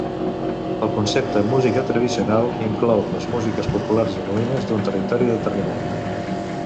El concepte música tradicional inclou les músiques populars genuïnes d'un territori determinat.